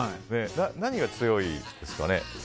何が強いですかね。